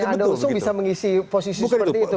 calonnya anda langsung bisa mengisi posisi seperti itu bang